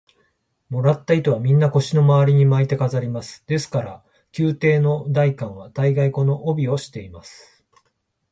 もらった糸は、みんな腰のまわりに巻いて飾ります。ですから、宮廷の大官は大がい、この帯をしています。